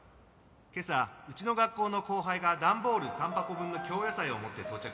「今朝うちの学校の後輩がダンボール３箱分の京野菜を持って到着しました」